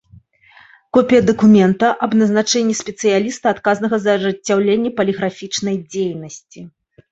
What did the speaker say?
Копiя дакумента аб назначэннi спецыялiста, адказнага за ажыццяўленне палiграфiчнай дзейнасцi.